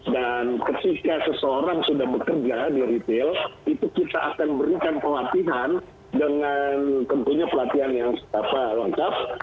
dan ketika seseorang sudah bekerja di retail itu kita akan berikan pelatihan dengan tentunya pelatihan yang setara lontar